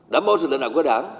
đảm bảo sự lợi đoạn của đảng